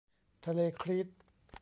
ทะเลครีต